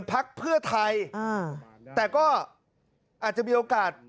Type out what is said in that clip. แต่ก็อาจจะมีโอกาส